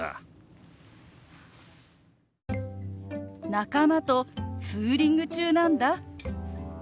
「仲間とツーリング中なんだ」。